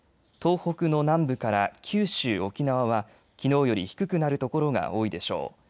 東北の南部から九州、沖縄はきのうより低くなる所が多いでしょう。